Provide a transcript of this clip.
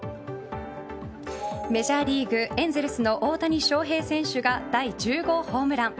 メジャーリーグエンゼルスの大谷翔平選手が第１０号ホームラン。